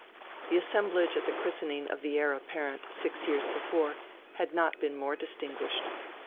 The assemblage at the christening of the Heir Apparent six years before had not been more distinguished.